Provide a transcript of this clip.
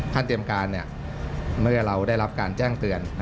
เตรียมการเมื่อเราได้รับการแจ้งเตือน